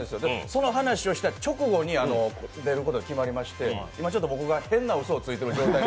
その直後に、出ること決まりまして今ちょっと僕が変なうそをついてる上体。